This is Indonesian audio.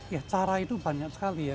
ya cara itu banyak sekali ya